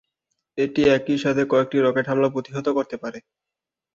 এটি একই সাথে কয়েকটি রকেট হামলা প্রতিহত করতে পারে।